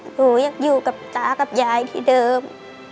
หนูยังอยู่กับตากับยายที่เดิม